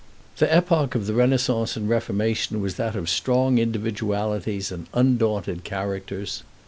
"The epoch of the Renaissance and the Reformation was that of strong individualities and undaunted characters.